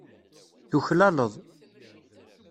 Tuklaleḍ.